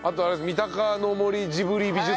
三鷹の森ジブリ美術館。